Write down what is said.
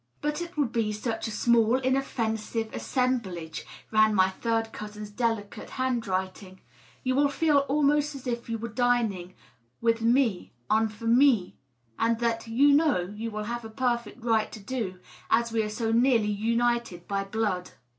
" But it will be such a small, inoffensive assemblage,^' ran my third cousin's delicate hand writing ;" you will feel almost as if you were dining with me enfamiUey and that, you know, you will have a perfect right to do, as we are so nearly united by blood."